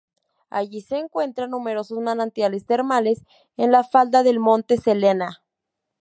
Allí se encuentran numerosos manantiales termales en la falda del monte Selena.